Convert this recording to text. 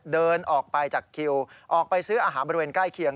เดินออกไปจากคิวออกไปซื้ออาหารบริเวณใกล้เคียง